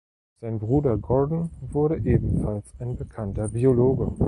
Sein Bruder Gordan wurde ebenfalls ein bekannter Biologe.